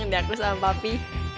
yang diakus sama papi